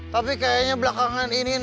tapi kayaknya belakangan ini